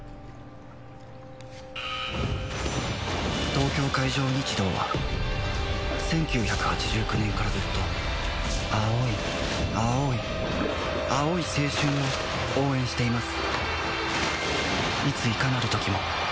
東京海上日動は１９８９年からずっと青い青い青い青春を応援しています